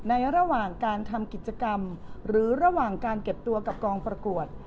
ระหว่างการทำกิจกรรมหรือระหว่างการเก็บตัวกับกองประกวด